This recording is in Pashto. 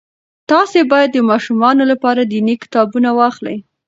تاسې باید د ماشومانو لپاره دیني کتابونه واخلئ.